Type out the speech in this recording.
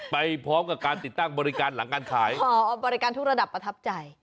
ไปพร้อมกับการติดตั้งบริการหลังการขายอ๋อบริการทุกระดับประทับใจ